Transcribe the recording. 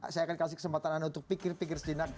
saya akan kasih kesempatan anda untuk pikir pikir sejenak